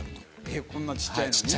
えっこんなちっちゃいのに？